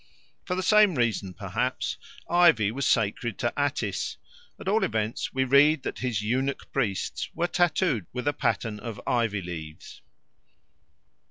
For the same reason, perhaps, ivy was sacred to Attis; at all events, we read that his eunuch priests were tattooed with a pattern of ivy leaves.